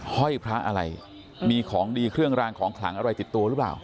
ห้อยพระอะไรมีของดีเครื่องรางของขลังอะไรติดตัวหรือเปล่า